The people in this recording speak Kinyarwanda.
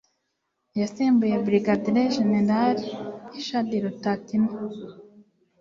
Yasimbuye Brigadier General Richard Rutatina